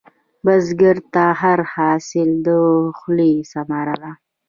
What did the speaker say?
بزګر ته هر حاصل د خولې ثمره ده